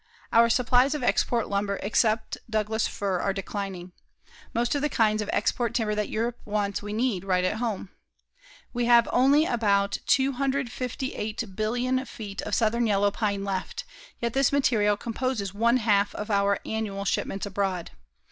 Our supplies of export lumber except Douglas fir are declining. Most of the kinds of export timber that Europe wants we need right at home. We have only about 258,000,000,000 feet of southern yellow pine left, yet this material composes one half of our annual shipments abroad.